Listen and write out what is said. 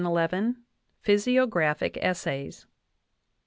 r PHYSIOGRAPHIC ESSAYS.